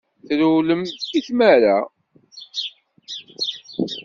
Trewlem i tmara.